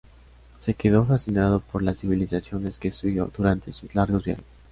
Se quedó fascinado por las civilizaciones que estudió durante sus largos viajes.